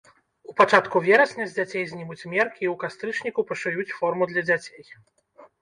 У пачатку верасня з дзяцей знімуць меркі і ў кастрычніку пашыюць форму для дзяцей.